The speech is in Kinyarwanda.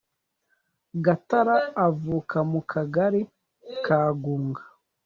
gatare avuka mu akagari ka kagunga .